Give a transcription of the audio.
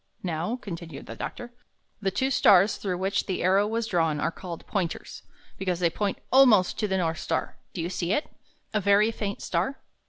"Now," continued the doctor, ''the two stars thi'ough which the arrow was drawn are called Pointers, because they point almost to the North Star. Do you see it? A very faint star?"